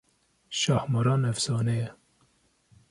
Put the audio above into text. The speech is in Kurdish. Şahmaran efsane ye